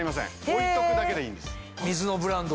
置いとくだけでいいんです。